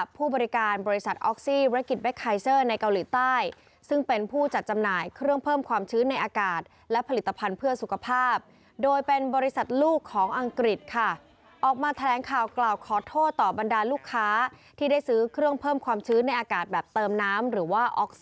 ผู้บริการบริษัทออกซี่ธุรกิจเคเซอร์ในเกาหลีใต้ซึ่งเป็นผู้จัดจำหน่ายเครื่องเพิ่มความชื้นในอากาศและผลิตภัณฑ์เพื่อสุขภาพโดยเป็นบริษัทลูกของอังกฤษค่ะออกมาแถลงข่าวกล่าวขอโทษต่อบรรดาลูกค้าที่ได้ซื้อเครื่องเพิ่มความชื้นในอากาศแบบเติมน้ำหรือว่าออก